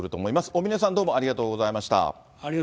大峯さん、どうもありがとうございました。